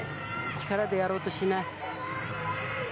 力でやろうとしない。